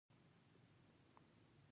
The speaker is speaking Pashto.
ګلاب د خوبونو حقیقت دی.